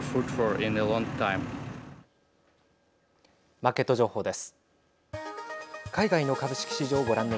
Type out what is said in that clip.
マーケット情報です。